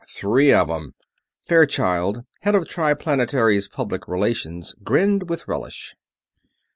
"Three of 'em!" Fairchild, Head of Triplanetary's Public Relations, grinned with relish.